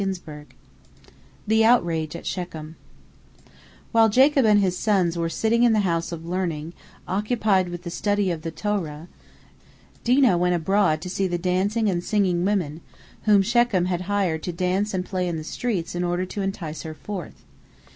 " THE OUTRAGE AT SHECHEM While Jacob and his sons were sitting in the house of learning, occupied with the study of the Torah, Dinah went abroad to see the dancing and singing women, whom Shechem had hired to dance and play in the streets in order to entice her forth.